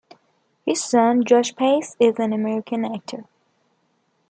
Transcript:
His son Josh Pais is an American actor.